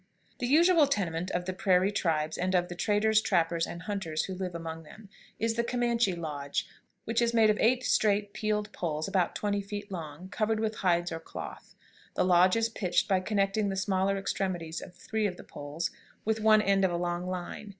The usual tenement of the prairie tribes, and of the traders, trappers, and hunters who live among them, is the Comanche lodge, which is made of eight straight peeled poles about twenty feet long, covered with hides or cloth. The lodge is pitched by connecting the smaller extremities of three of the poles with one end of a long line.